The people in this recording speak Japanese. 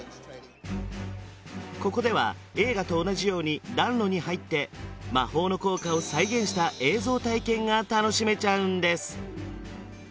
ここでは映画と同じように暖炉に入って魔法の効果を再現した映像体験が楽しめちゃうんです